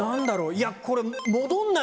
いやこれ。